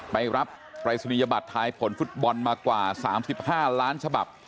ไปรับปรายศนียบัตรทายผลฟุตบอลมากว่า๓๕ล้านฉบับ